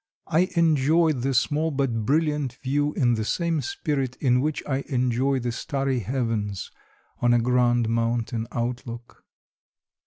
I enjoyed the small but brilliant view in the same spirit in which I enjoy the starry heavens on a grand mountain outlook.